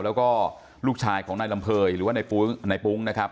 แล้วก็ลูกชายของนายลำเภยหรือว่านายปุ๊งนะครับ